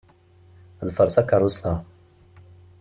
Ḍfeṛ takeṛṛust-a.